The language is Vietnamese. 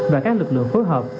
và các lực lượng phối hợp